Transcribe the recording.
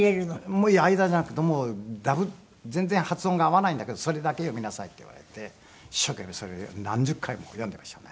もう間じゃなくて全然発音が合わないんだけどそれだけ読みなさいって言われて一生懸命それ何十回も読んでいましたね。